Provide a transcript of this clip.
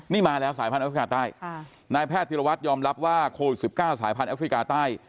นี่มาแล้วสายพันธริกาใต้นายแพทย์ธิรวัตรยอมรับว่าโควิด๑๙สายพันธแอฟริกาใต้